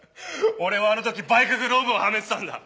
俺はあの時バイクグローブをはめてたんだ。